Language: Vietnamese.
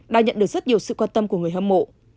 đang nhận được rất nhiều sự quan tâm của người hâm mộ